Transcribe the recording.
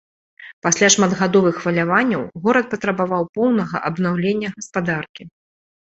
Пасля шматгадовых хваляванняў горад патрабаваў поўнага абнаўлення гаспадаркі.